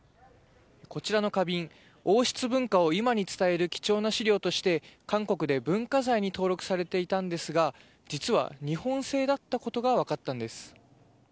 こちらの花瓶、王室文化を今に伝える貴重な史料として韓国で文化財に登録されていたんですが実は日本製だったことが分かったんです。